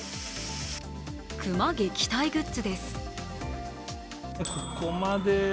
熊撃退グッズです。